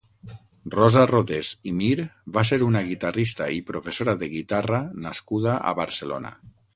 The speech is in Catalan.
Rosa Rodés i Mir va ser una guitarrista i professora de guitarra nascuda a Barcelona.